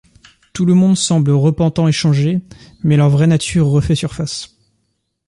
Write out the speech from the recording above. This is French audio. Tout le monde semble repentant et changé mais leur vraie nature refait surface.